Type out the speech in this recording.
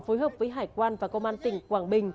phối hợp với hải quan và công an tỉnh quảng bình